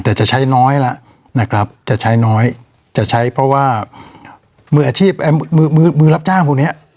แต่จะใช้น้อยแล้วนะครับจะใช้น้อยจะใช้เพราะว่ามืออาชีพมือรับจ้างพวกเนี้ย